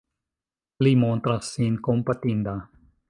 Li montras sin kompatinda.